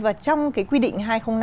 và trong cái quy định hai nghìn năm